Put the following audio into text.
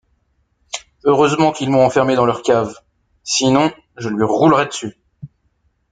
Heureusement qu’ils m’ont enfermé dans leur cave, sinon je lui roulerais dessus.